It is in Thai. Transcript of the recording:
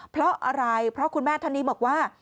เพราะอะไรเพราะคุณแม่ท่านนี้บอกว่า